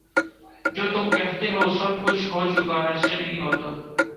جو تم کہتے ہو سب کچھ ہو چکا ایسے نہیں ہوتا